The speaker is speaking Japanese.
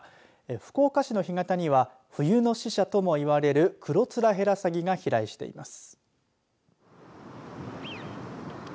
福岡市の干潟には冬の使者ともいわれるクロツラヘラサギが飛来しています。